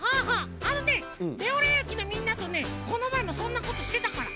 あのねレオレオえきのみんなとねこのまえもそんなことしてたから。